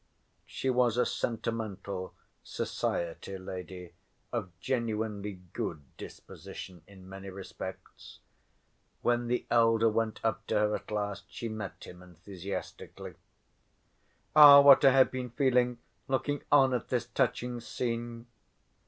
She was a sentimental society lady of genuinely good disposition in many respects. When the elder went up to her at last she met him enthusiastically. "Ah, what I have been feeling, looking on at this touching scene!..."